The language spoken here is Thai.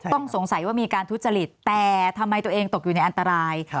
ต้องสงสัยว่ามีการทุจริตแต่ทำไมตัวเองตกอยู่ในอันตราย